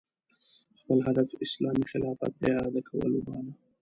خپل هدف اسلامي خلافت اعاده کول وباله